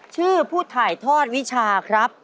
ผู้ถ่ายทอดวิชาครับ